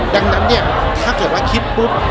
ดังนั้นเนี่ยถ้าเกิดว่าคิดปุ๊บ